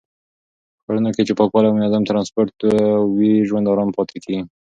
په ښارونو کې چې پاکوالی او منظم ټرانسپورټ وي، ژوند آرام پاتې کېږي.